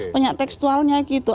banyak tekstualnya gitu